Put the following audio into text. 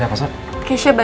selamat ulang tahun sayang